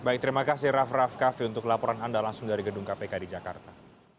baik terima kasih raff raff kafe untuk laporan anda langsung dari gedung kpk di jakarta